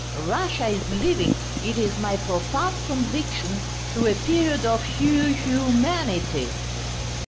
Russia is living, it is my profound conviction, through a period of hu hu manity...."